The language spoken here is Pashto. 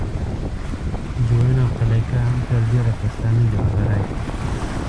جوین او قلعه کا هم تر ډېره پښتانه دي په فراه کې